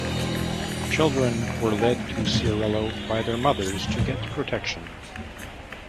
Children were led to Ciarallo by their mothers to get protection.